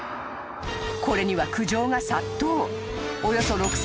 ［これには苦情が殺到］